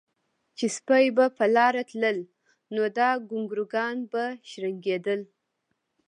چې سپي به پۀ لاره تلل نو دا ګونګروګان به شړنګېدل